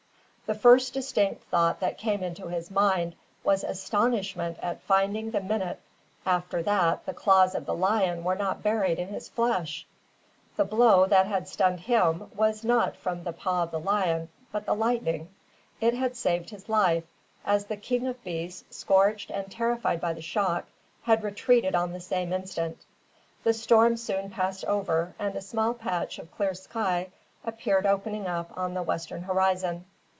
The first distinct thought that came into his mind was astonishment at finding the minute after that the claws of the lion were not buried in his flesh! The blow that had stunned him was not from the paw of the lion, but the lightning. It had saved his life, as the king of beasts, scorched and terrified by the shock, had retreated on the same instant. The storm soon passed over, and a small patch of clear sky appeared opening up on the western horizon.